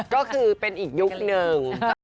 ก็คือเป็นอีกยุคนึง